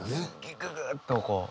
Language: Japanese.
ギググッとこう。